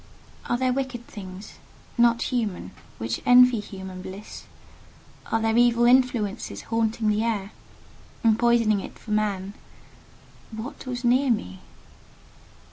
Are there wicked things, not human, which envy human bliss? Are there evil influences haunting the air, and poisoning it for man? What was near me?